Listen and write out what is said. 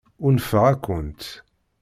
Unfeɣ-akent.